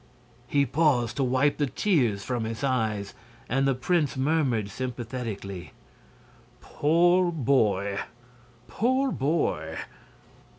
He paused to wipe the tears from his eyes, and the prince murmured, sympathetically: "Poor boy! Poor boy!"